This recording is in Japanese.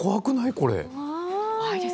これ。